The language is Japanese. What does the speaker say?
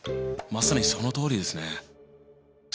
まさにそのとおりですね。